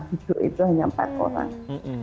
hidup itu hanya empat orang